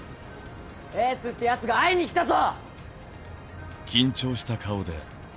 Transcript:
エースって奴が会いに来たぞ！